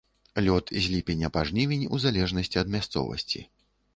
Лёт з ліпеня па жнівень у залежнасці ад мясцовасці.